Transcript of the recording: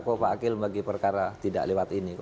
kok pak akhil membagi perkara tidak lewat ini